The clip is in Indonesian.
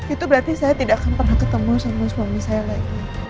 itu berarti saya tidak akan pernah ketemu sama suami saya lagi